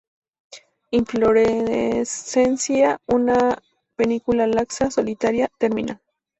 Inflorescencia una panícula laxa, solitaria, terminal.